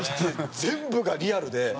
全部がリアルで。